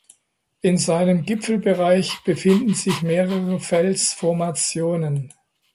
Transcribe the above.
In seinem Gipfelbereich befinden sich mehrere Felsformationen.